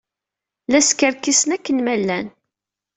La skerkisen akken ma llan.